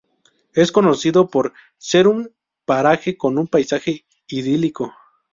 Es conocido por ser un paraje con un paisaje idílico.